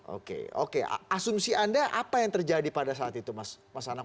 oke oke asumsi anda apa yang terjadi pada saat itu mas anam